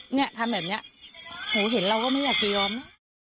เนี่ยทำแบบนี้โหเห็นเราก็ไม่อยากจะยอมนะ